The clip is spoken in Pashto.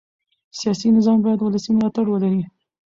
سیاسي نظام باید ولسي ملاتړ ولري